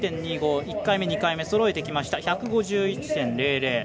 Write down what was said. １回目と２回目そろえてきました、１５１．００。